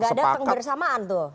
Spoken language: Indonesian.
di golkar juga gak ada penggersamaan tuh